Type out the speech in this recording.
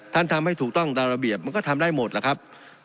ทำให้ถูกต้องตามระเบียบมันก็ทำได้หมดล่ะครับ